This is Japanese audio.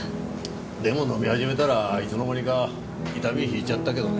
でも飲み始めたらいつの間にか痛み引いちゃったけどね。